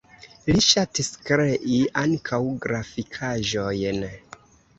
Li ŝatis krei ankaŭ grafikaĵojn.